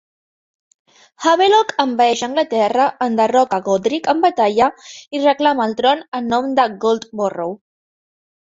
Havelok envaeix Anglaterra, enderroca Godrich en batalla i reclama el tron en nom de Goldborow.